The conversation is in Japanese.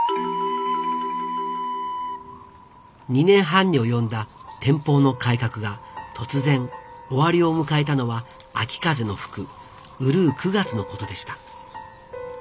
２年半に及んだ天保の改革が突然終わりを迎えたのは秋風の吹く閏９月のことでした。